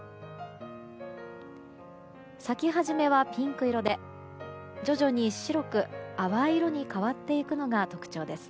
咲き始めはピンク色で徐々に白く淡い色に変わっていくのが特徴です。